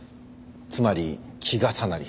つまり季重なり。